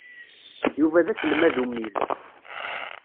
Yuba d aselmad ummil.